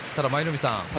舞の海さん